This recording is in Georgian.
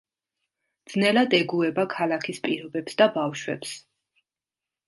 ძნელად ეგუება ქალაქის პირობებს და ბავშვებს.